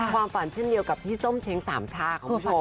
ความฝันเช่นเดียวกับพี่ส้มเช้งสามชาคุณผู้ชม